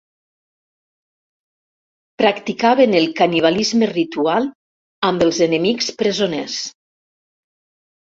Practicaven el canibalisme ritual amb els enemics presoners.